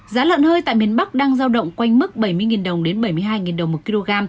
giá lợn hơi tại miền bắc đang giao động quanh mức bảy mươi đồng đến bảy mươi hai đồng một kg